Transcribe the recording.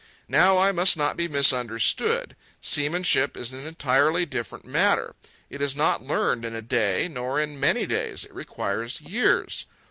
Now I must not be misunderstood. Seamanship is an entirely different matter. It is not learned in a day, nor in many days; it requires years.